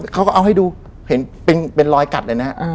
เขาก็เอาให้ดูเป็นรอยกัดเลยนะครับ